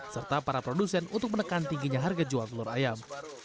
serta para produsen untuk menekan tingginya harga jual telur ayam